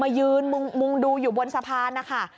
ยืนมุงดูอยู่บนสะพานนะคะ